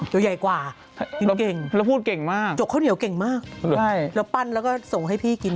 ตัวใหญ่กว่ากินเก่งจกข้าวเหนียวเก่งมากแล้วปั้นแล้วก็ส่งให้พี่กิน